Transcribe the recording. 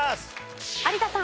有田さん。